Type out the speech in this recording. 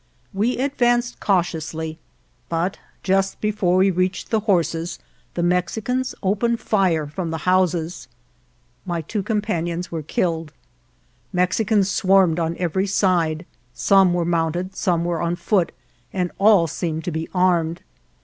We ad vanced cautiously, but just before we reached the horses the Mexicans opened fire from the houses. My two companions were killed. Mexicans swarmed on every side; some were mounted ; some were on foot, and all seemed to be armed.